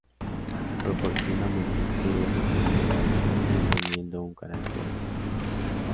Proporciona multitud de funcionalidades manteniendo un carácter gratuito.